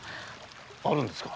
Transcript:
あるんですか？